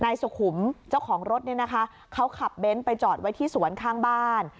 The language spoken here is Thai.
สุขุมเจ้าของรถเนี่ยนะคะเขาขับเบนท์ไปจอดไว้ที่สวนข้างบ้าน